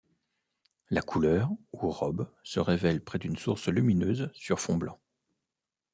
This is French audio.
La couleur, ou robe, se révèle près d’une source lumineuse sur fond blanc.